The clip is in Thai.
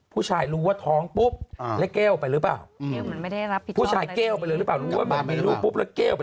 ผู้ชายรู้ว่าท้องปุ๊บและแก้วไปรึเปล่า